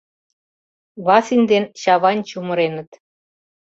ВАСИН ден ЧАВАЙН чумыреныт